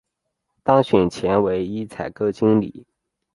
当选前为一采购经理。